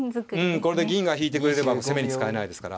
これで銀が引いてくれれば攻めに使えないですから。